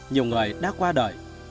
nhiều người đã qua đời